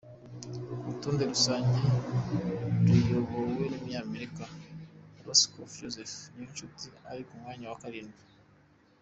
Ku rutonde rusange ruyobowe n’Umunyamerika Rosskopf Joseph, Niyonshuti ari ku mwanya wa karindwi.